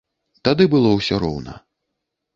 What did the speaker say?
Тады было ўсё роўна.